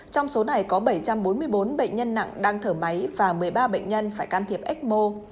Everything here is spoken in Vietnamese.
trong số này có bảy trăm bốn mươi bốn bệnh nhân nặng đang thở máy và một mươi ba bệnh nhân phải can thiệp ecmo